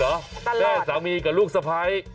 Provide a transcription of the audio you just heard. ตลอดแม่สามีกับลูกสภัย